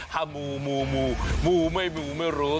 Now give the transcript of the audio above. ถ้ามูมูมูมูไม่มูไม่รู้